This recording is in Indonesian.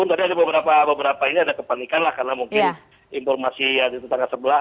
ada beberapa ini ada kepanikan lah karena mungkin informasi yang ada di tetangga sebelah